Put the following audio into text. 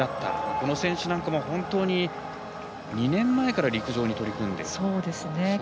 この選手なんかも、本当に２年前から陸上に取り組んだと。